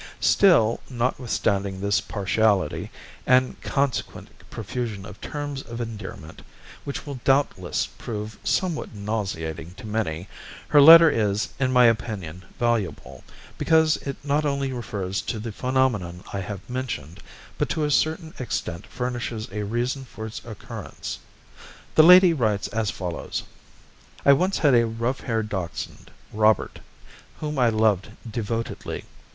Still, notwithstanding this partiality, and consequent profusion of terms of endearment, which will doubtless prove somewhat nauseating to many, her letter is, in my opinion, valuable, because it not only refers to the phenomenon I have mentioned, but to a certain extent furnishes a reason for its occurrence. The lady writes as follows: "I once had a rough haired dachshund, Robert, whom I loved devotedly.